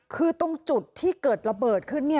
คือตรงจุดที่เกิดระเบิดขึ้น